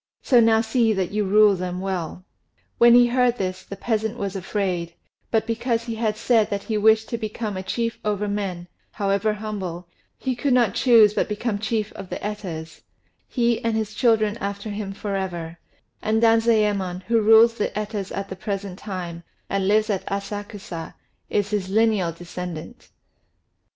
So now see that you rule them well." When he heard this, the peasant was afraid; but because he had said that he wished to become a chief over men, however humble, he could not choose but become chief of the Etas, he and his children after him for ever; and Danzayémon, who rules the Etas at the present time, and lives at Asakusa, is his lineal descendant.